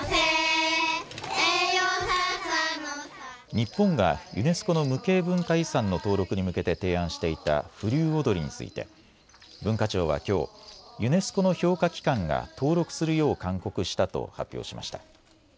日本がユネスコの無形文化遺産の登録に向けて提案していた風流踊について文化庁はきょう、ユネスコの評価機関が登録するよう勧告したと発表しました。